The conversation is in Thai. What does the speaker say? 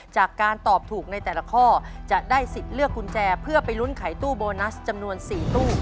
จากการตอบถูกในแต่ละข้อจะได้สิทธิ์เลือกกุญแจเพื่อไปลุ้นไขตู้โบนัสจำนวน๔ตู้